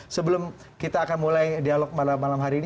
sebelum kita akan mulai dialog malam hari ini